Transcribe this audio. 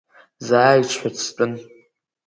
Заа иҽҳәыҵтәын…